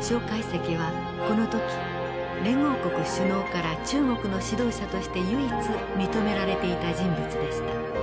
介石はこの時連合国首脳から中国の指導者として唯一認められていた人物でした。